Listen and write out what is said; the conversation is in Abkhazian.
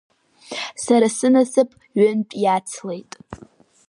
Сара сынасыԥ ҩынтә иацлеит.